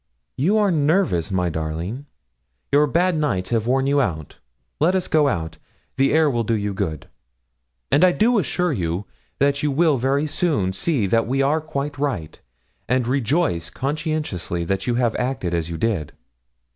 'You are nervous, my darling; your bad nights have worn you out. Let us go out; the air will do you good; and I do assure you that you will very soon see that we are quite right, and rejoice conscientiously that you have acted as you did.'